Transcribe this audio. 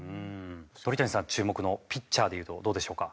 鳥谷さん注目のピッチャーでいうとどうでしょうか？